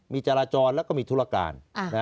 มีจราจรแล้วก็มีธุรการ